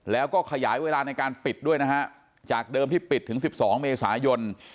แล้วก็ขยายเวลาในการปิดด้วยนะฮะจากเดิมที่ปิดถึง๑๒เมษายน